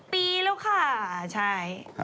ปีแล้วค่ะใช่